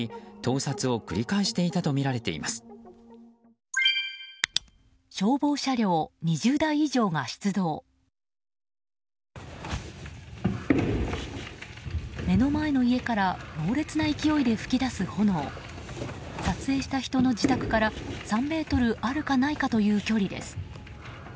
撮影した人の自宅から３ｍあるかないかという距離です。